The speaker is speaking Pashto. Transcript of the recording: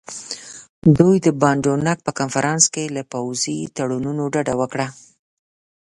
دوی د باندونک په کنفرانس کې له پوځي تړونونو ډډه وکړه.